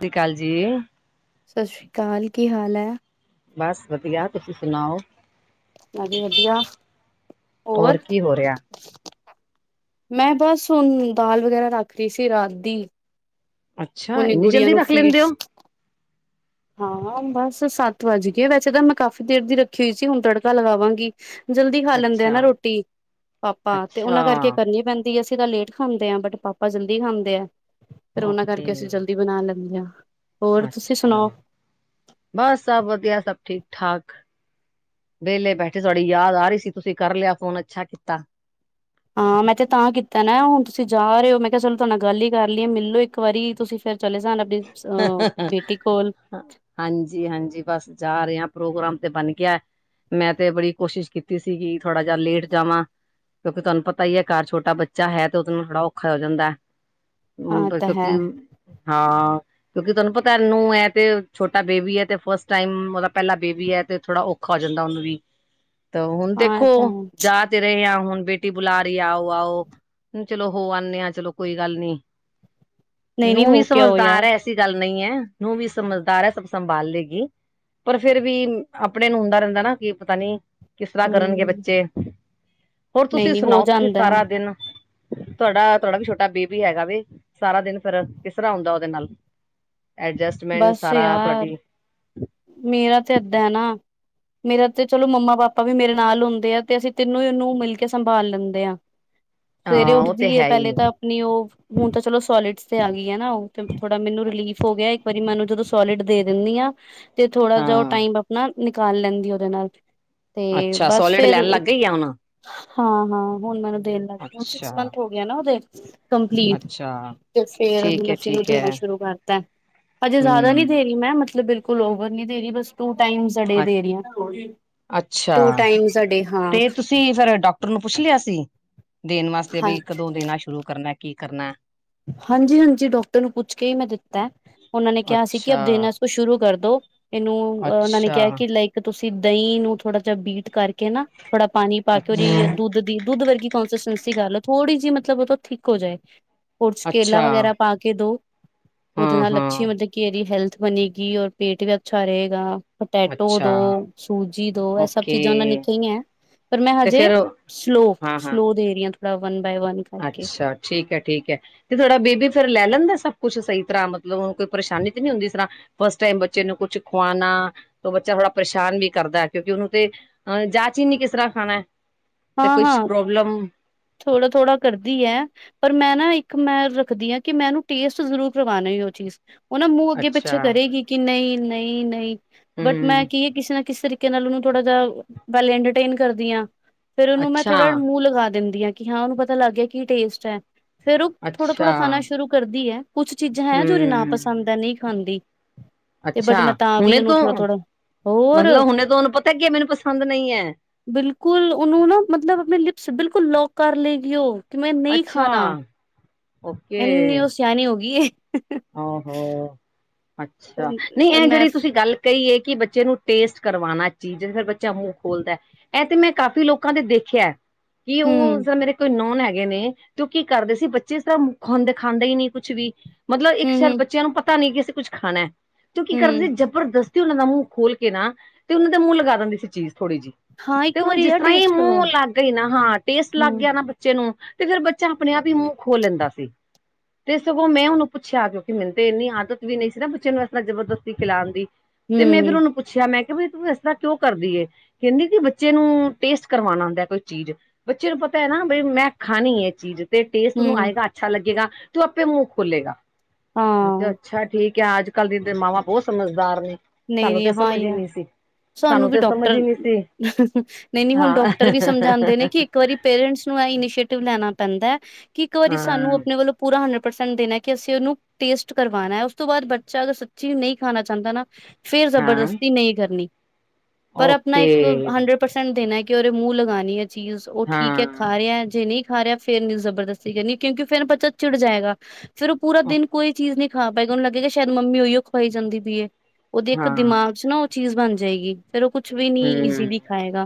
ਤਿਰੀ ਕਾਲ ਜੀ। ਸ਼ਾਸਰੀ ਕਾਲ ਕੀ ਹਾਲ ਐ? ਬਸ ਵਧੀਆ, ਤੁਸੀਂ ਸੁਣਾਓ? ਨਾ ਜੀ ਵਧੀਆ, ਹੋਰ। ਹੋ ਰਿਹਾ। ਮੈਂ ਬਸ ਹੁਣ, ਦਾਲ ਵਗੈਰਾ ਰੱਖਤੀ ਸੀ ਰਾਤ ਦੀ ਅੱਛਾ, ਹੁਣੇ ਇੰਨੀ ਗੁੜੀਆਂ ਜਲਦੀ ਨੂੰ ਰੱਖ ਫੀਡ ਲੈਂਦੇ ਓ। ਹਾਂ ਬਸ ਸੱਤ ਵੱਜਗੇ, ਵੈਸੇ ਤਾਂ ਮੈਂ ਕਾਫ਼ੀ ਦੇਰ ਦੀ ਰੱਖੀ ਹੋਈ ਸੀ, ਹੁਣ ਤੜਕਾ ਲਗਾਵਾਂਗੀ। ਜਲਦੀ ਖਾ ਲੈਂਦੇ ਆ ਅੱਛਾ ਨਾ ਰੋਟੀ ਪਾਪਾ ਤੇ ਅੱਛਾ ਉਹਨਾਂ ਕਰਕੇ ਕਰਨੀ ਪੈਂਦੀ ਨਹੀ ਅਸੀਂ ਤਾਂ ਲੇਟ ਖਾਂਦੇ ਹਾਂ, ਬਟ ਪਾਪਾ ਜਲਦੀ ਖਾਂਦੇ ਆ, ਫਿਰ ਉਹਨਾ ਓਕੇ ਕਰਕੇ ਅਸੀਂ ਜਲਦੀ ਬਣਾ ਲੈਂਦੀਆ ਅੱਛਾ, ਬਸ ਸਭ ਵਧੀਆ, ਸਭ ਠੀਕ -ਠਾਕ ਵਿਹਲੇ ਬੈਠੇ ਤੁਹਾਡੀ ਯਾਦ ਆ ਰਹੀ ਸੀ ਤੁਸੀਂ ਕਰ ਲਿਆ ਫੋਨ ਅੱਛਾ ਕੀਤਾ ਏ ਹਾਂ ਮੈਂ ਤੇ ਤਾਂ ਕੀਤਾ ਨਾ ਹੁਣ ਤੁਸੀਂ ਜਾ ਰਹੇ ਹੋ ਮੈਂ ਕਿਹਾ ਚਲੋ ਤੁਹਾਡੇ ਨਾਲ ਗੱਲ ਹੀ ਕਰ ਲਈਏ ਮਿਲ ਲਓ ਇੱਕ ਵਾਰੀ ਤੁਸੀਂ ਫੇਰ ਚਲੇ ਜਾਣਾ ਡੀਪਸ ਅ ਬੇਟੀ ਕੋਲ ਹਾਂਜੀ- ਹਾਂਜੀ ਬਸ ਜਾ ਰਹੇ ਹਾਂ, ਪ੍ਰੋਗਰਾਮ ਤੇ ਬਣ ਗਿਆ ਮੈਂ ਤੇ ਬੜੀ ਕੋਸ਼ਿਸ਼ ਕੀਤੀ ਸੀ ਕਿ, ਥੋੜਾ ਜਿਹਾ ਲੇਟ ਜਾਵਾਂ ਕਿਉਂਕਿ ਤੁਹਾਨੂੰ ਪਤਾ ਹੀ ਹੈ ਘਰ ਛੋਟਾ ਬੱਚਾ ਹੈ ਤੇ ਉਹਦੇ ਨਾਲ ਥੋੜਾ ਔਖਾ ਹੋ ਜਾਂਦਾ ਹੈ ਹ [unintelligible] ਹਾਂ ਤਾਂ ਕਿ ਹੈ ਹਾਂ ਕਿਉਂਕਿ ਤੁਹਾਨੂੰ ਪਤਾ ਨੂੰਹ ਹੈ ਇਹ ਤੇ ਛੋਟਾ ਬੇਬੀ ਹੈ ਤੇ ਫਸਟ ਟਾਈਮ ਉਹਦਾ ਪਹਿਲਾ ਬੇਬੀ ਹੈ ਤੇ ਥੋੜਾ ਔਖਾ ਖਾ ਜਾਂਦਾ ਉਹਨੂੰ ਵੀ ?? ਤਾਂ ਹੁਣ ਦੇਖੋ ਜਾ ਤੇ ਰਹੇ ਹੈ ਹੁਣ ਬੇਟੀ ਬੁਲਾ ਰਹੀ ਆਓ ਆਓ ਚਲੋ ਹੋ ਆਉਂਦੇ ਆ ਚਲੋ ਕੋਈ ਗੱਲ ਨੀ ਨਹੀਂ ਨਹੀਂ ਨੂੰਹ ਵੀ ਹੋ ਕੇ ਆਓ ਯਾਰ ਸਮਝਦਾਰ ਹੈ ਐਸੀ ਗੱਲ ਨਹੀਂ ਹੈ ਨੂੰਹ ਵੀ ਸਮਝਦਾਰ ਹੈ ਸਭ ਸੰਭਾਲ ਲਏਗੀ ਪਰ ਫਿਰ ਵੀ ਆਪਣੇ ਨੂੰ ਹੁੰਦਾ ਰਹਿੰਦਾ ਨਾ, ਕੀ ਪਤਾ ਨੀ ਕਿਸ ਤਰ੍ਹਾਂ ਕਰਨਗੇ ਹੂੰ ਬੱਚੇ, ਹੋਰ ਨਹੀਂ ਤੁਸੀਂ ਨਹੀਂ ਹੋ ਸੁਣਾਓ ਤੁਸੀਂ ਜਾਂਦਾ ਹੈ ਸਾਰਾ ਦਿਨ ਤੁਹਾਡਾ ਤੁਹਾਡਾ ਵੀ ਛੋਟਾ ਬੇਬੀ ਹੈਗਾ ਵੇ ਸਾਰਾ ਦਿਨ ਫਿਰ ਕਿਸ ਤਰ੍ਹਾਂ ਹੁੰਦਾ ਉਹਦੇ ਨਾਲ ਐਡਜਸਟਮੈਂਟ ਬਸ ਸਾਰਾ ਯਾਰ ਤੁਹਾਡੀ ਮੇਰਾ ਤਾਂ ਏਦਾਂ ਨਾ ਮੇਰਾ ਤੇ ਚਲੋ ਮੰਮਾ ਪਾਪਾ ਵੀ ਮੇਰੇ ਨਾਲ ਹੁੰਦੇ ਆ ਤੇ ਅਸੀਂ ਤੈਨੂੰ ਹੀ ਉਹਨੂੰ ਮਿਲ ਕੇ ਸੰਭਾਲ ਲੈਂਦੇ ਹਾਂ ਸਵੇਰੇ ਹਾਂ ਉਹ ਤੇ ਉੱਠਦੀ ਹੈ ਪਹਿਲੇ ਹੀ ਤਾਂ ਆਪਣੀ ਉਹ ਹੁਣ ਤਾਂ ਚਲੋ ਸੋਲਿਡਸ ਤੇ ਆ ਗਈ ਹੈ ਨਾ ਉਹ ਤੇ ਥੋੜਾ ਮੈਨੂੰ ਰਿਲੀਫ ਹੋ ਗਿਆ ਇੱਕ ਵਾਰੀ ਮੈਨੂੰ ਜਦੋਂ ਸੋਲਿਡ ਦੇ ਦਿੰਨੀ ਆ ਤੇ ਥੋੜ੍ਹਾ ਜਿਹਾ ਓ ਹਾਂ ਟਾਈਮ ਆਪਣਾ ਨਿਕਾਲ ਲੈਂਦੀ ਓਹਦੇ ਨਾਲ। ਤੇ ਅੱਛਾ ਬਸ ਸੋਲਿਡ ਫੇਰ ਲੈਣ ਲੱਗ ਇਕ ਗਈ ਆ ਹੁਣ ਹਾਂ-ਹਾਂ ਹੁਣ ਮੈਨੂੰ ਦੇਣ ਲਾਗੇ ਹੁਣ ਅੱਛਾ ਸਿਕਸ ਮੰਥ ਹੋ ਗਏ ਨਾ ਓਹਦੇ ਕੰਪਲੀਟ। ਅੱਛਾ ਤੇ ਫੇਰ ਠੀਕ ਹੁਣ ਹੈ ਅਸੀਂ ਉਨੂੰ ਠੀਕ ਦੇਣਾ ਹੈ ਸ਼ੁਰੂ ਕਰਤਾ ਹਜੇ ਜਿਆਦਾ ਨੀ ਹਮ ਦੇ ਰਹੀ ਮੈਂ ਮਤਲਬ ਬਿਲ ਕਲੋਵਰ ਨੀ ਦੇ ਰਹੀ ਬਸ ਟੂ ਟਾਈਮਜ਼ ਅ ਡੇ ਦੇ ਰਹੀ ਆ। ਅੱਛਾ ਤੇ ਤੁਸੀਂ ਫੇਰ ਡਾਕਟਰ ਨੂੰ ਪੁੱਛ ਲਿਆ ਸੀ? ਦੇਣ ਵਾਸਤੇ ਹਾਂ ਵੀ ਕਦੋਂ ਦੇਣਾ ਸ਼ੁਰੂ ਕਰਨਾ ਕੀ ਕਰਨਾ। ਹਾਂਜੀ-ਹਾਂਜੀ ਡੋਕਟਰ ਨੂੰ ਪੁੱਛ ਕੇ ਈ ਮੈਂ ਦਿੱਤਾ। ਉਹਨਾਂ ਨੇ ਕਿਆ ਸੀ ਕਿ ਅਬ ਅੱਛਾ ਦੇਨਾ ਇਸ ਕੋ ਸ਼ੁਰੂ ਕਰ ਦੋ। ਏਨੂੰ ਓਹਨਾਂ ਨੇ ਅੱਛਾ ਕਿਆ ਕਿ ਲਾਈਕ ਤੁਸੀਂ ਦਈ ਨੂੰ ਥੋੜਾ ਜਾ ਬੀਟ ਕਰਕੇ ਨਾ ਥੋੜਾ ਪਾਣੀ ਪਾ ਕੇ ਓਰੀ ਅੱਛਾ ਦੁੱਧ ਦੀ ਦੁੱਧ ਵਰਗੀ ਕੋਂਸਿਸਸੈਂਸੀ ਕਰ ਲੋ ਥੋੜ੍ਹੀ ਜੀ ਮਤਲਬ ਓਹ ਤੋਂ ਥਿੱਕ ਹੋ ਜਾਏ। ਓਹਦੇ 'ਚ ਅੱਛਾ ਕੇਲਾ ਵਗੈਰਾ ਪਾ ਕੇ ਦੋ ਓਦੇ ਹਾਂ ਨਾਲ ਅਛੀ ਹਾਂ ਮਤਲਬ ਕੇ ਦੀ ਹੈਲਥ ਬਣੇਗੀ ਔਰ ਪੇਟ ਵੀ ਅੱਛਾ ਰਹੇਗਾ। ਪਟੈਟੋ ਅੱਛਾ ਦੋ, ਸੂਜੀ ਦੋ ਐ ਸਭ ਓਕੇ ਚੀਜ਼ਾਂ ਓਹਨਾਂ ਨੇ ਕਈਆਂ ਪਰ ਮੈਂ ਤੇ ਹਜੇ ਫੇਰ ਹਾਂ ਹਾਂ ਸਲੋਅ-ਸਲੋਅ ਦੇ ਰਹੀ ਆਂ ਥੋੜ੍ਹਾ ਵਨ ਬਾਏ ਵਨ। ਕਰਕੇ ਅੱਛਾ ਠੀਕ ਐ ਠੀਕ ਐ। ਤੇ ਥੋੜਾ ਬੇਬੀ ਫਿਰ ਲੈ ਲੈਂਦਾ ਸਭ ਕੁਛ ਸਹੀ ਤਰ੍ਹਾਂ ਮਤਲਬ ਓਹਨੂੰ ਕੋਈ ਪਰੇਸ਼ਾਨੀ ਤੇ ਨੀ ਹੁੰਦੀ ਜਿਸ ਤਰ੍ਹਾਂ ਫਸਟ ਟਾਈਮ ਬੱਚੇ ਨੂੰ ਕੁੱਛ ਖਵਾਣਾ ਤਾਂ ਬੱਚਾ ਥੋੜ੍ਹਾ ਪਰੇਸ਼ਾਨ ਵੀ ਕਰਦਾ ਕਿਉਂਕਿ ਓਹਨੂੰ ਤੇ ਹੈ ਜਾਚ ਈ ਨੀ ਕਿਸ ਤਰ੍ਹਾਂ ਖਾਣਾ ਐ। ਹਾਂ-ਹਾਂ, ਥੋੜਾ ਥੋੜਾ ਕਰਦੀ ਐ। ਪਰ ਮੈਂ ਨਾ ਇੱਕ ਮੈਂ ਰੱਖਦੀ ਆ, ਕਿ ਮੈ ਇਨੂੰ ਟੇਸਟ ਜ਼ਰੂਰ ਕਰਵਾਣਾ ਓ ਚੀਜ਼। ਓ ਨਾ ਮੂੰਹ ਅੱਗੇ ਅੱਛਾ ਪਿੱਛੇ ਕਰੇਗੀ ਕਿ ਨਈ-ਨਈ-ਨਈ, ਬਟ ਮੈਂ ਹਮ ਕੀ ਐ ਕਿਸੇ ਨਾ ਕਿਸ ਤਰੀਕੇ ਨਾਲ ਓਨੂੰ ਥੋੜ੍ਹਾ ਜਿਹਾ, ਪੈਲੇ ਇੰਟਰਟੇਨ ਕਰਦੀ ਹਾਂ। ਫੇਰ ਓਨੂੰ ਮੈਂ ਅੱਛਾ ਥੋੜਾ ਜਾ ਮੂੰਹ ਲਗਾ ਦਿੰਦੀ ਕਿ ਹਾਂ, ਓਨੂੰ ਪਤਾ ਲੱਗ ਗਿਆ ਕੀ ਟੇਸਟ ਐ। ਫੇਰ ਓ ਅੱਛਾ ਥੋੜਾ-ਥੋੜਾ ਖਾਣਾ ਸ਼ੁਰੂ ਕਰਦੀ ਐ, ਕੁਛ ਚੀਜ਼ਾਂ ਹੈ ਜੋ ਨਾ ਹਮ ਪਸੰਦ ਐ, ਨਈ ਖਾਂਦੀ। ਤੇ ਬਟ ਅੱਛਾ! ਮੈਂ ਤਾਂ ਵੀ ਹੁਣੇ ਉਹਨੂੰ ਤੋਂ, ਥੋੜਾ-ਥੋੜਾ ਹੋਰ ਮਤਲਬ ਹੁਣੇ ਤੋਂ ਓਨੂੰ ਪਤਾ ਕੀ ਮੈਨੂੰ ਪਸੰਦ ਨਈ ਐ। ਬਿਲਕੁੱਲ ਓਨੂੰ ਨਾ ਮਤਲਬ ਆਪਣੇ ਲਿਪਸ ਬਿਲਕੁਲ ਲੌਕ ਕਰ ਲੇਗੀ ਓ, ਕਿ ਮੈਂ ਨਈ ਅੱਛਾ ਖਾਨਾ। ਓਕੇ ਐਨੀ ਓ ਸਿਆਣੀ ਹੋਗੀ ਏ। ਹਾਂ ਹਾਂ, ਅੱਛਾ ਨਈ ਪਰ ਐ ਮੈਂ ਜੇੜੀ ਤੁਸੀਂ ਗੱਲ ਕਈ ਏ ਕਿ ਬੱਚੇ ਨੂੰ ਟੇਸਟ ਕਰਵਾਣਾ ਚੀਜ਼, ਫੇਰ ਬੱਚਾ ਮੂੰਹ ਖੋਲਦੈ ਐ ਤੇ ਮੈਂ ਕਾਫ਼ੀ ਲੋਕਾਂ ਦੇ ਦੇਖਿਐ, ਕੀ ਹੂੰ, ਓ ਮੇਰੇ ਕੋਈ ਨੌਨ ਹੈਗੇ ਨੇ ਤੇ ਓ ਕੀ ਕਰਦੇ ਸੀ ਬੱਚੇ ਇਸ ਤਰ੍ਹਾਂ ਖਦੇ ਖਾਂਦੇ ਈ ਨੀ ਕੁੱਛ ਵੀ, ਮਤਲਬ ਇੱਕ ਸ਼ੈਦ ਹੂੰ-ਹੂੰ, ਬੱਚਿਆਂ ਨੂੰ ਪਤਾ ਨੀ ਕੀ ਅਸੀਂ ਕੁੱਛ ਖਾਣਾ, ਕਿਊ ਕੀ ਕਰਦੇ ਹੂੰ ਜਬਰਦ ਸਤੀ ਓਨਾ ਦਾ ਮੂੰਹ ਖੋਲ ਕੇ ਨਾ, ਤੇ ਓਨਾਂ ਦਾ ਮੂੰਹ ਲਗਾ ਦਿੰਦੀ ਸੀ ਚੀਜ਼ ਥੋੜੀ ਜੀ। ਹਾਂ ਤੇ ਇੱਕ ਹੁਣ ਵਾਰੀ ਜਿਸ ਯਾਰ ਤਰ੍ਹਾਂ ਈ ਟੇਸਟ ਮੂੰਹ ਕਰਵਾਓ ਲੱਗ ਗਈ ਨਾ, ਹਾਂ ਟੇਸਟ ਲੱਗ ਹੂੰ, ਗਿਆ ਨਾ ਬੱਚੇ ਨੂੰ ਤੇ ਫੇਰ ਬੱਚਾ ਆਪਣੇ ਆਪ ਈ ਮੂੰਹ ਖੋਲ ਲੈਂਦਾ ਸੀ, ਤੇ ਸਗੋਂ ਮੈਂ ਹੁਨ ਪੁੱਛਿਆ, ਕਿਉਂਕਿ ਮੈਨੂੰ ਤੇ ਏਨੀ ਆਦਤ ਵੀ ਨਈ ਸੀ ਨਾ ਬੱਚੇ ਨੂੰ ਇਸ ਤਰਾਂ ਜਬਰਦਸਤੀ ਖਿਲਾਣ ਦੀ, ਤੇ ਮੈਂ ਫੇਰ ਹੂੰ, ਓਨੂੰ ਪੁੱ ਛਿਆ, ਮੈਂ ਕਿਆ ਬੀ ਤੂੰ ਐਸ ਤਰ੍ਹਾਂ ਕਿਉਂ ਕਰਦੀ ਏ? ਕੈਂਦੀ ਕੀ ਬੱਚੇ ਨੂੰ ਟੇਸਟ ਕਰਵਾਣਾ ਹੁੰਦੈ ਕੋਈ ਚੀਜ਼। ਬੱਚੇ ਨੂੰ ਪਤਾ ਐ ਨਾ, ਬਈ ਮੈਂ ਖਾਣੀ ਐ ਚੀਜ਼। ਤੇ ਟੇਸਟ ਓਨੂੰ ਹੂੰ ਆਏਗਾ ਅੱਛਾ ਲੱਗੇਗਾ, ਤੇ ਓ ਆਪੇ ਮੂੰਹ ਖੋਲੇਗਾ। ਮੈਂ ਕਿਆ, ਹਾਂ ਅੱਛਾ ਠੀਕ ਐ, ਆਜ ਕੱਲ੍ਹ ਦੀਆਂ ਮਾਵਾਂ ਬੋ ਸਮਝਦਾਰ ਨੇ। ਸਾਨੂੰ ਨਈ-ਨਈ, ਤੇ ਹਾਂ ਸਮਝ ਈ ਹੀ ਆ। ਨਹੀਂ ਸੀ ਸਾਨੂੰ ਵੀ ਤੇ ਸਮਝ ਹੀ ਡੋਕਟਰ, ਨਹੀਂ ਸੀ ਨਈ-ਨਈ ਹੁਣ ਡੋਕਟਰ ਵੀ ਸਮਝਾਦੇ ਨੇ ਹਾਂ ਕੀ ਇੱਕ ਵਾਰੀ ਪੇਰੈਂਟਸ ਨੂੰ ਐ ਇਨੀਸ਼ੀਏਟਿਵ ਲੈਣਾ ਪੈਂਦੈ, ਕਿ ਇੱਕ ਵਾਰੀ ਸਾਨੂੰ ਹਾਂ ਆਪਣੇ ਵੱਲੋਂ ਪੂਰਾ ਹੰਡਰਡ ਪਰਸੈਂਟ ਦੇਣਾ ਕਿ ਅਸੀਂ ਓਨੂੰ ਟੇਸਟ ਕਰਵਾਣਾ, ਉਸ ਤੋਂ ਬਾਦ ਬੱਚਾ ਅਗਰ ਸੱਚੀ ਨਈ ਖਾਣਾ ਚਾਂਦਾ ਨਾ ਫੇਰ ਹਾਂ ਜ਼ਬਰਦਸਤੀ ਨਈ ਕਰਨੀ। ਪਰ ਆਪਣਾ ਇੱਕ ਓਕੇ ਹੰਡਰਡ ਪਰਸੈਂਟ ਦੇਣਾ, ਕਿ ੳਹਦੇ ਮੂੰਹ ਲਗਾਣੀ ਐ ਚੀਜ਼ ਓ ਹਾਂ ਠੀਕ ਐ। ਖਾ ਰਿਐ, ਜੇ ਨਈ ਖਾ ਰਿਆ ਫੇਰ ਨੀ ਜ਼ਬਰਦਸਤੀ ਕਰਨੀ, ਕਿਉਂਕਿ ਫਿਰ ਬੱਚਾ ਚਿੜ ਜਾਏਗਾ। ਫੇਿਰ ਉਹ ਪੂਰਾ ਦਿਨ ਕੋਈ ਚੀਜ਼ ਨਹੀ ਖਾ ਪਾਏਗਾ, ਉਹਨੂੰ ਲੱਗੇ ਕਿ ਸ਼ਾਇਦ ਮੰਮੀ ਉਹੀਓ ਖਵਾਈ ਜਾਂਦੀ ਪਈਏ। ਉਹਦੇ ਇੱਕ ਹਾਂ ਦਿਮਾਗ 'ਚ ਨਾ ਉਹ ਚੀਜ਼ ਬਣ ਜਾਏਗੀ। ਫਿਰ ਉਹ ਕੁਛ ਵੀ ਨੀ ਹੂੰ, ਈਜ਼ੀ ਖਾਏਗਾ,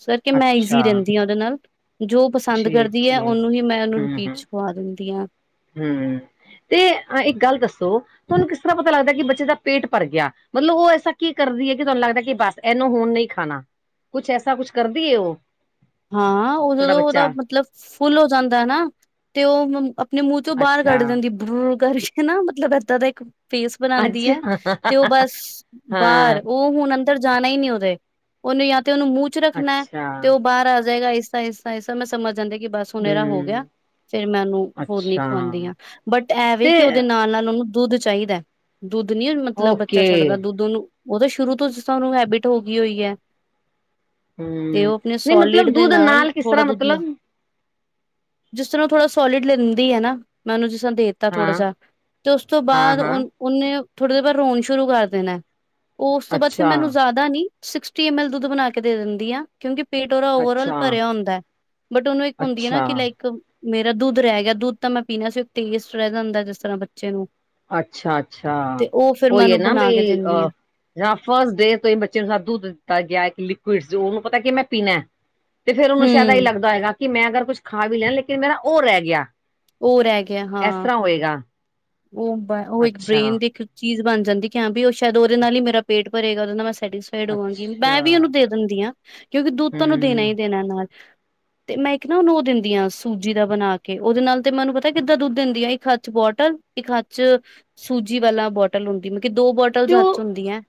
ਇਸ ਕਰਕੇ ਮੈਂ ਅੱਛਾ ਈਜ਼ੀ ਰਹਿੰਦੀ ਹਾਂ ਉਹਦੇ ਨਾਲ ਜੋ ਬ ਪਸੰਦ ਕਰਦੀ ਹੈ ਠੀਕ-ਠੀਕ। ਉਹਨੂੰ ਹੀ ਮੈਂ ਉਹਨੂੰ ਰਿਪੀਟ ਖਵਾ ਦਿੰਦੀ ਹਾਂ। ਹ, ਤੇ ਇੱਕ ਗੱਲ ਦੱਸੋ? ਤੁਹਾਨੂੰ ਕਿਸ ਤਰ੍ਹਾਂ ਪਤਾ ਲੱਗਦਾ ਕਿ ਬੱਚੇ ਦਾ ਪੇਟ ਭਰ ਗਿਆ? ਮਤਲਬ ਉਹ ਐਸਾ ਕੀ ਕਰਦੀ ਹੈ, ਕਿ ਤੁਹਾਨੂੰ ਲੱਗਦਾ ਕਿ ਬਸ ਇਹਨੂੰ ਹੁਣ ਨਹੀਂ ਖਾਣਾ, ਕੁਛ ਐਸਾ ਕੁਛ ਕਰਦੀ ਹੈ ਉਹ? ਹਾਂ, ਉਹ ਤੁਹਾਡਾ ਜਦੋਂ ਉਹਦਾ ਬੱਚਾ ਮਤਲਬ ਫੁੱਲ ਹੋ ਜਾਂਦਾ ਹੈ ਨਾ ਤੇ ਉਹ ਆਪਣੇ ਮੂੰਹ 'ਚੋਂ ਬਾਹਰ ਅੱਛਾ, ਕੱਢ ਦਿੰਦੀ, ਬਰ ਕਰੀ ਨਾ ਮਤਲਬ ਇੱਦਾਂ ਦਾ ਇੱਕ ਫੇਸ ਬਣਾਉਂਦੀ ਹੈ ਅੱਛਾ ਤੇ ਉਹ ਬਸ ਹਾਂ। ਬਾਹਰ, ਉਹ ਹੁਣ ਅ ਅੰਦਰ ਜਾਣਾ ਹੀ ਨਹੀਂ ਉਹਦੇ, ਉਹਨੂੰ ਜਾਂ ਤੇ ਉਹਨੂੰ ਮੂੰਹ 'ਚ ਰੱਖਣਾ ਅੱਛਾ ਤੇ ਉਹ ਬਾਹਰ ਆ ਜਾਏਗਾ, ਇਸ ਤਾ ਇਸ ਤਾ ਇਸ ਤ੍ਹਾਂ ਮੈਂ ਸਮਝ ਜਾਂਦੀ ਕਿ ਬਸ ਹੁਣ ਇਹਦਾ ਹੋ ਗਿਆ। ਹੂੰ, ਫੇਿਰ ਮੈਂ ਉਹਨੂੰ ਹੋਰ ਨ ਖਵਾਉਂਦੀ ਅੱਛਾ ਹਾਂ, ਬਟ ਐਵੇ ਤੇ ਕਿ ਉਹਦੇ ਨਾਲ, ਨਾਲ ਉਹਨੂੰ ਦੁੱਧ ਚਾਹੀਦਾ, ਦੁੱਧ ਨੀ ਮਤਲਬ ਬੱਚਾ ਓਕੇ ਛੱਡਦਾ, ਦੁੱਧ ਉਹਨੂੰ ਉਹ ਤਾਂ ਸ਼ੁਰੂ ਤੋਂ, ਜਿਸ ਤਰਾਂ ੳਹਨੂੰ ਹੈਬਿਟ ਹੋ ਗਈ ਹੋਈ ਹੈ। ਤੇ ਹੂੰ, ਉਹ ਆਪਣੇ ਨਹੀਂ ਸੋਲਿਡ ਮਤਲਬ ਦੇ ਦੁੱਧ ਨਾਲ ਕਿਸ ਥੋੜਾ ਤਰ੍ਹਾਂ ਦੁੱਧ ਲੈ ਮਤਲਬ ਜਿਸ ਤਰ੍ਹਾਂ ਓ ਥੋੜ੍ਹਾ ਸੋਲਿਡ ਲੈਂਦੀ ਆ ਨਾ ਮੈਂ ਉਹਨੂੰ ਜਿਸ ਤਰ੍ਹਾਂ ਦੇ ਤਾ ਥੋੜਾ ਹਾਂ, ਸਾਂ ਤੇ ਉਸ ਤੋਂ ਬਾਅਦ ਹਾਂ-ਹਾਂ ਉਹ ਉਹਨੇ ਥੋੜੇ ਦੇਰ ਬਾਅਦ ਰੋਣ ਸ਼ੁਰੂ ਕਰ ਦੇਣਾ। ਉਸ ਤੋਂ ਬਾਅਦ ਫਿਰ ਅੱਛਾ, ਮੈ ਉਹਨੂੰ ਜ਼ਿਆਦਾ ਨੀ ਸਿਕਸਸਟੀ ਐਮ ਐਲ ਦੁੱਧ ਬਣਾ ਕੇ ਦੇ ਦਿੰਦੀ ਆ ਕਿਉਂਕਿ ਪੇਟ ਉਹਦਾ ਓਵਰਆਲ ਅੱਛਾ, ਭਰਿਆ ਹੁੰਦਾ ਬਟ ਉਹਨੂੰ ਇੱਕ ਹੁੰਦੀ ਆ ਨਾ ਕਿ ਅੱਛਾ। ਲਾਈਕ ਮੇਰਾ ਦੁੱਧ ਰਹਿ ਗਿਆ ਦੁੱਧ ਤਾਂ ਮੈਂ ਪੀਣਾ ਸੀ। ਟੇਸਟ ਰਹਿ ਜਾਂਦਾ ਜਿਸ ਤਰ੍ਹਾਂ ਬੱਚੇ ਨੂੰ ਅੱਛਾ ਅੱਛਾ, ਤੇ ਉਹ ਫਿਰ ਮੈਂ ਉਹੀ ਆ ਉਹਨੂੰ ਨਾ ਬਣਾ ਵੀ ਕੇ ਦਿੰਦੀ ਹਾਂ ਅਹ ਜਾਂ ਫਸਟ ਡੇਅ ਤੋਂ ਹੀ ਬੱਚੇ ਨੂੰ ਦੁੱਧ ਦਿੱਤਾ ਗਿਆ। ਇੱਕ ਲਿਕੋਅਡ ਉਹਨੂੰ ਪਤਾ ਕੀ ਮੈਂ ਪੀਣਾ। ਤੇ ਫ਼ਿਰ ਉਹਨੂੰ ਸ਼ਾਇਦ ਇਹੀ ਹਮ ਲੱਗਦਾ ਹੋਏਗਾ। ਕਿ ਮੈਂ ਅਗਰ ਕੁਛ ਖਾ ਵੀ ਲਿਆ ਲੇਕਿਨ ਮੇਰਾ ਓ ਰਹਿ ਗਿਆ। ਓ ਰਹਿ ਗਿਆ ਇਸ ਹਾਂ। ਤਰ੍ਹਾਂ ਹੋਏਗਾ। ਉਹ ਉਹ ਇੱਕ ਅੱਛਾ-ਅੱਛਾ ਬ੍ਰੇਨ ਦੀ ਇੱਕ ਚੀਜ਼ ਬਣ ਜਾਂਦੀ ਕੀ ਹਾਂ ਵੀ ਓ ਸ਼ਾਇਦ ਉਹਦੇ ਨਾਲ ਹੀ ਮੇਰਾ ਪੇਟ ਭਰੇਗਾ ਉਹਦੇ ਨਾਲ ਮੈਂ ਸੈਟ ਸੀਫਾਈ ਹੋਵਾਂਗੀ ਮੈਂ ਵੀ ਉਹਨੂੰ ਦੇ ਦਿੰਦੀ ਆ ਕਿਉਂਕਿ ਦੁੱਧ ਤਾਂ ਓਂਨੂੰ ਦੇਣਾ ਹੀ ਹੂੰ ਦੇਣਾ ਨਾਲ ਤੇ ਮੈਂ ਇੱਕ ਨਾ ਉਹਨੂੰ ਓ ਦਿੰਦੀ ਆ ਸੂਜੀ ਦਾ ਬਣਾ ਕੇ ਉਹਦੇ ਨਾਲ ਤੇ ਮੈਨੂੰ ਪਤਾ ਕਿੱਦਾਂ ਦੁੱਧ ਦਿੰਦੀ ਆ ਇੱਕ ਹੱੱਥ ਚ ਬੋਟਲ ਇੱਕ ਹੱਥ ਚ ਸੂਜੀ ਵਾਲਾ ਬੋਟਲ ਹੁੰਦੀ ਮਤਲਬ ਦੋ ਬੋਟਲ ਤੇ ਹੱਥ ਚ ਉਹ ਹੁੰਦੀਆਂ।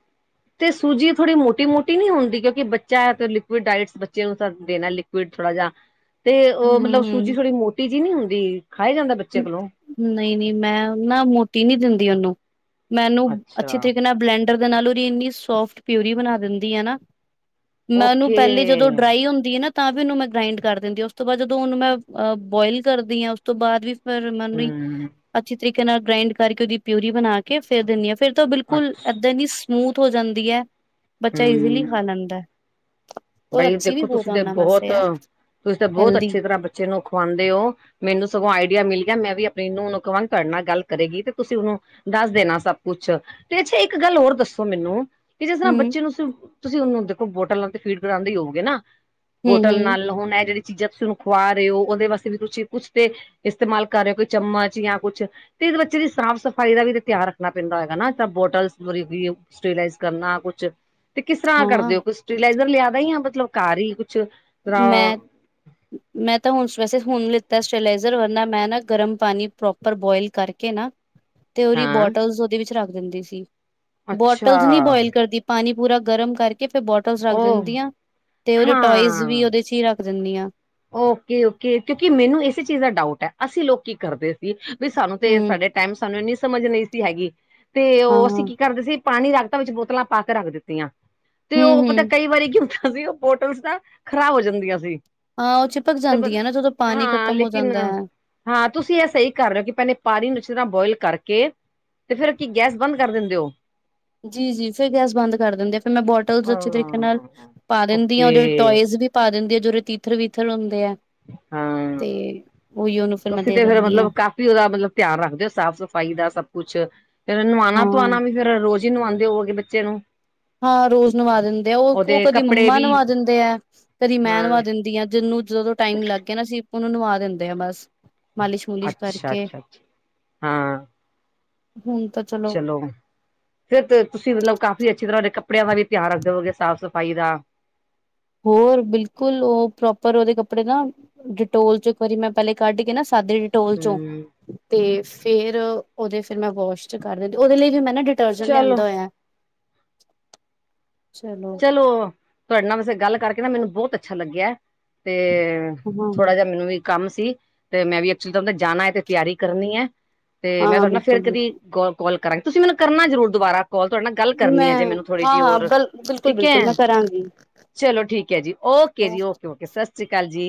ਤੇ ਸੂਜੀ ਥੋੜ੍ਹੀ ਮੋਟੀ ਮੋਟੀ ਨੀ ਹੁੰਦੀ। ਕਿਉਂਕਿ ਬੱਚਾ ਫਿਰ ਲਿਕੁਇਡ ਡਾਇਟਸ ਬੱਚੇ ਨੂੰ ਤਾਂ ਦੇਣਾ ਲਿਕੁਇਡ ਥੋੜ੍ਹਾ ਜਾ [inaudible] ਤੇ ਓ ਹਮ ਮਤਲਬ ਸੂਜੀ ਥੋੜ੍ਹੀ ਮੋਟੀ ਜੀ ਨਹੀਂ ਹੁੰਦੀ। ਖਾਇਆ ਜਾਂਦਾ ਬੱਚੇ ਕੋਲੋਂ ਨਈ ਨਈ ਮੈਂ ਨਾ ਮੋਟੀ ਨੀ ਦਿੰਦੀ ਉਹਨੂੰ ਮੈਂ ਉਹਨੂੰ ਅੱਛੇ ਅੱਛਾ ਤਰੀਕੇ ਨਾਲ ਬਲੈਂਡ ਡ ਦੇ ਨਾਲ ਓਹਦੀ ਇੰਨੀ ਸੋਫਟ ਪਿਊਰੀ ਬਣਾ ਦਿੰਦੀ ਆ ਨਾ। ਮੈਂ ਉਹਨੂੰ ਓਕੇ ਪਹਿਲੇ ਜਦੋਂ ਡਰਾਈ ਹੁੰਦੀ ਆ ਨਾ ਤਾਂ ਵੀ ਉਹਨੂੰ ਮੈਂ ਗ੍ਰਾਇੰਡ ਕਰ ਦਿੰਦੀ ਆ ਉਸ ਤੋਂ ਬਾਅਦ ਜਦੋਂ ਉਹਨੂੰ ਮੈਂ ਅਹ ਬੋਇਲ ਕਰਦੀ ਆ ਉਸ ਤੋਂ ਬਾਅਦ ਵੀ ਫਿਰ [unintelligible] ਹੂੰ ਅੱਛੀ ਤਰੀਕੇ ਨਾਲ ਗ੍ਰਾਇੰਡ ਕਰਕੇ ਉਹਦੀ ਪਿਊਰੀ ਬਣਾ ਕੇ ਫੇਰ ਦਿਨੀ ਆ ਫੇਰ ਤਾਂ ਬਿਲਕੁਲ ਅੱਛਾ ਏਦਾਂ ਦੀ ਸਮੂਥ ਹੋ ਜਾਂਦੀ ਐ ਬੱਚਾ ਈਜ਼ੀਲੀ ਖਾ ਲੈਂਦਾ। ਔਰ ਬਾਈ ਅੱਛੀ ਵੀ ਦੇਖੋ ਬਹੁਤ ਤੁਸੀਂ ਤਾਂ ਉਹਨਾਂ ਵਾਸਤੇ ਬਹੁਤ ਹੈ ਤੁਸੀਂ ਤਾਂ ਬਹੁਤ ਹੈਲਦੀ ਅੱਛੀ ਤਰ੍ਹਾਂ ਬੱਚੇ ਨੂੰ ਖਵਾਂਦੇ ਓ। ਮੈਨੂੰ ਸਗੋਂ ਆਈਡੀਆ ਮਿਲ ਗਿਆ ਮੈਂ ਵੀ ਆਪਣੀ ਨੂੰਹ ਨੂੰ ਕਹਾਂਗੀ ਤੁਹਾਡੇ ਨਾਲ ਗੱਲ ਕਰੇਗੀ ਤੇ ਤੁਸੀਂ ਉਹਨੂੰ ਦੱਸ ਦੇਣਾ ਸਭ ਕੁਛ ਤੇ ਅੱਛਾ ਇੱਕ ਗੱਲ ਹੋਰ ਦੱਸੋ ਮੈਨੂੰ ਕਿ ਜਿਸ ਤਰ੍ਹਾਂ ਹਮ ਬੱਚੇ ਨੂੰ ਤੁਸੀਂ ਉਹਨੂੰ ਦੇਖੋ ਬੋਟਲ ਲਾਣ ਤੇ ਫੀਡ ਕਰਾਂਦੇ ਹੋਵਗੇ ਨਾ। ਹਮ ਬੋਟਲ ਨਾਲ ਹੁਣ ਐ ਜਿਹੜੀ ਚੀਜ਼ਾਂ ਤੁਸੀਂ ਉਹਨੂੰ ਖਵਾ ਰਹੇ ਓ ਉਹਦੇ ਵਾਸਤੇ ਵੀ ਤੁਸੀਂ ਕੁਛ ਤੇ ਇਸਤੇਮਾਲ ਕਰ ਰਹੇ ਓ ਕੋਈ ਚਮਚ ਜਾਂ ਕੁਛ ਤੇ ਇਹਦੇ ਬੱਚੇ ਦੀ ਸਾਫ਼ ਸਫ਼ਾਈ ਦਾ ਵੀ ਧਿਆਨ ਰੱਖਣਾ ਪੈਂਦਾ ਹੈਏਗਾ ਨਾ ਜਾਂ ਬੋਟਲਸ [unintelligible] ਸਟੇਸਲਾਈਜ਼ ਕਰਨਾ ਕੁੱਛ ਤੇ ਕਿਸ ਤਰ੍ਹਾਂ ਹਮ ਹਾਂ ਕਰਦੇ ਓ ਕੁਛ ਸਟੀਲਾਈਜ਼ਰ ਲਿਆਂਦਾ ਜਾਂ ਮਤਲਬ ਘਰ ਹੀ ਕੁੱਛ ਮੈਂ ਮੈਂ ਤਾਂ ਹੁਣ ਵੈਸੇ ਹੁਣ ਲਿੱਤਾ ਸਟਲਾਈਜ਼ਰ ਕਰਨਾ ਮੈਂ ਨਾ ਗਰਮ ਪਾਣੀ ਪ੍ਰੋਪਰ ਬੋਇਲ ਕਰਕੇ ਨਾ। ਤੇ ਉਹਦੀ ਹਾਂ ਬੋਟਲਸ ਉਹਦੇ ਵਿੱਚ ਰੱਖ ਦਿੰਦੀ ਸੀ ਅੱਛਾ ਬੋਟਲਸ ਨੀ ਬੋਇਲ ਕਰਦੀ। ਪਾਣੀ ਪੂਰਾ ਗਰਮ ਕਰਕੇ ਫਿਰ ਬੋਟਲਸ ਰੱਖ ਉਹ ਦਿੰਦੀ ਆਂ ਤੇ ਉਹਦੇ ਟੋਇਜ਼। ਹਾਂ ਵਿੱਚ ਹੀ ਰੱਖ ਦਿੰਦੀ ਆ। ਓਕੇ ਓਕੇ ਕਿਉਂਕਿ ਮੈਨੂੰ ਇਸੇ ਚੀਜ਼ ਦਾ ਡਾਊਟ ਐ। ਅਸੀਂ ਲੋਕ ਕੀ ਕਰਦੇ ਸੀ ਵੀ ਸਾਨੂੰ ਹੂੰ ਤੇ ਸਾਡੇ। ਟਾਈਮ ਸਾਨੂੰ ਇੰਨੀ ਸਮਝ ਨਹੀਂ ਸੀ ਹੈਗੀ ਤੇ ਓ ਹਾਂ ਹਾਂ ਅਸੀਂ ਕੀ ਕਰਦੇ ਸੀ। ਪਾਣੀ ਰੱਖਤਾ ਵਿੱਚ ਬੋਤਲਾਂ ਪਾ ਕੇ ਰੱਖ ਦਿੱਤੀਆਂ ਤੇ ਹੂੰ ਉਹ ਪਤਾ ਹੂੰ ਕਈ ਵਾਰੀ ਕੀ ਹੁੰਦਾ। ਅਸੀਂ ਉਹ ਬੋਟਲਸ ਨਾ ਖ਼ਰਾਬ ਹੋ ਜਾਂਦੀਆਂ ਸੀ। ਹਾਂ ਓ ਚਿਪਕ ਤੇ ਜਾਂਦੀ ਆ ਨਾ ਜਦੋਂ ਪਾਣੀ ਹਾਂ ਖ਼ਤਮ ਹੋ ਲੇਕਿਨ ਜਾਂਦਾ। ਹਾਂ, ਤੁਸੀਂ ਇਹ ਸਹੀ ਕਰ ਰਹੇ ਓ ਕਿ ਪਹਿਲੇ ਪਾਣੀ ਨੂੰ ਚੰਗੀ ਤਰ੍ਹਾਂ ਬੋਇਲ ਕਰਕੇ। ਤੇ ਫੇਰ ਕੀ ਗੈਸ ਬੰਦ ਕਰ ਦਿੰਦੇ ਓ। ਜੀ-ਜੀ ਫੇਰ ਗੈਸ ਬੰਦ ਕਰ ਦਿੰਦੇ ਆ ਫੇਰ ਮੈਂ ਬੋਟਲ ਅੱਛੇ ਹਾਂ ਤਰੀਕੇ ਨਾਲ ਪਾ ਦਿੰਦੀ ਹਾਂ ਓਕੇ ਓਦੇ ਵਿੱਚ ਟੋਇਜ਼ ਵੀ। ਪਾ ਦਿੰਦੀ ਆ ਜਿਹੜੇ ਤੀਥਰ-ਵੀਥਰ ਹੁੰਦੇ ਆ। ਹਾਂ ਤੇ ਓਇਓ ਉਨੂੰ ਫਿਰ ਮੈਂ ਦੇ ਦੇਨੀ ਆ। ਤੁਸੀਂ ਓਦਾ ਮਤਲਬ ਧਿਆਨ ਰੱਖਦੇ ਹੋ ਸਾਫ਼ ਸਫ਼ਾਈ ਦਾ ਸਭ ਕੁੱਛ ਫੇਰ ਹਾਂ ਨਵਾਣਾ-ਤੁਵਾਣਾ ਵੀ। ਫੇਰ ਰੋਜ਼ ਈ ਨਵਾਓਦੇ ਹੋਵੋਗੇ ਬੱਚੇ ਨੂੰ। ਹਾਂ ਰੋਜ਼ ਨਵਾ ਦਿੰਦੇ ਆ, ਓ‌ ਓ ਉਹਦੇ ਕਦੀ ਕੱਪੜੇ ਮੰਮਾ ਵੀ ਨਵਾ ਦਿੰਦੇ ਐ। ਕਦੀ ਮੈਂ ਹਾਂ ਨਵਾ ਦਿੰਦੀ ਹਾਂ। ਜਿਹਨੂੰ ਜਦੋਂ ਟਾਈਮ ਲੱਗ ਗਿਆ ਨਾ ਅਸੀਂ ਉਹਨੂੰ ਨਵਾ ਦਿੰਦੇ ਆ ਬਸ। ਮਾਲਿਸ਼-ਮੁਲਿਸ਼ ਅੱਛਾ ਕਰਕੇ ਅੱਛਾ ਅੱਛਾ ਹਾਂ ਹੁਣ ਤਾਂ ਚਲੋ। ਫੇਰ ਤੁਸੀਂ ਮਤਲਬ ਕਾਫੀ ਅੱਛੀ ਤਰ੍ਹਾਂ ਓਦੇ ਕੱਪੜਿਆਂ ਦਾ ਵੀ ਧਿਆਨ ਰੱਖ ਦੇ ਹੋਵੇਗੇ ਸਾਫ਼-ਸਫ਼ਾਈ ਦਾ ਹੋਰ ਬਿਲਕੁਲ ਉਹ ਪ੍ਰੋਪਰ ਓਦੇ ਕੱਪੜੇ ਨਾ ਡਿਟੋਲ ਚ ਇੱਕ ਵਾਰੀ ਮੈਂ ਪੈਲੇ ਕੱਢ ਕੇ ਨਾ ਸਾਦੇ ਡਿਟੋਲ ਚੋਂ ਹਮ ਤੇ ਫੇਰ ਓਦੇ ਫਿਰ ਮੈਂ ਵਾਸ਼ ਕਰ ਦਿੰਦੀ ਓਦੇ ਲਈ ਵੀ ਮੈਂ ਨਾ ਡਿ ਟਰਜਨ ਚਲੋ ਲਿਆਂਦਾ ਹੋਯਾ। ਚਲੋ ਤੁਆਡੇ ਨਾਲ ਵੈਸੇ ਗੱਲ ਕਰਕੇ ਨਾ ਮੈਨੂੰ ਬੋਤ ਅੱਛਾ ਲੱਗਿਆ। ਤੇ ਹਾਂ ਥੋੜਾ ਜੇਹਾ ਮੈਨੂੰ ਵੀ ਕੰਮ ਸੀ ਤੇ ਮੈਂ ਵੀ ਐਕਚੁਲੀ ਤਾਂ ਜਾਣਾ ਹੈ ਤੇ ਤੇਆਰੀ ਕਰਨੀ ਐ ਕ ਤੇ ਹਾਂ ਮੈਂ ਹਾਂ ਤੁਹਾਨੂੰ ਨਾ ਫਿਰ ਬਿਲਕੁਲ ਕਦੀਂ ਬਿਲਕੁਲ ਕੋਲ ਕੋਲ ਕਰਾਂਗੀ ਤੁਸੀ ਮੈਨੂੰ ਕਰਨਾ ਜ਼ਰੂਰ ਦੁਬਾਰਾ ਕੌਲ ਤੁਆਡੇ ਨਾਲ ਗੱਲ ਕਰਨੀ ਆ ਮੈਂ ਜੇ ਮੇਨੂੰ ਥੋੜੀ ਹਾਂ ਜਿਹੀ ਹਾਂ ਹੋਰ। ਬਿਲ ਬਿਲਕੁਲ ਠੀਕ ਐ ਬਿਲਕੁਲ ਮੈਂ ਕਰਾਂਗੀ। ਚਲੋ ਠੀਕ ਐ ਜੀ ਓਕੇ ਜੀ ਓਕੇ-ਓਕੇ ਸਾਸ ਸ਼੍ਰੀ ਅਕਾਲ ਜੀ।